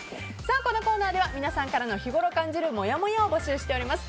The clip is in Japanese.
このコーナーでは皆さんからの日ごろ感じるもやもやを募集しております。